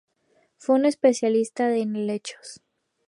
Fue un especialista en helechos.